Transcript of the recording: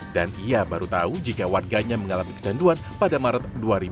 dan ia baru tahu jika warganya mengalami kecanduan pada maret dua ribu dua puluh tiga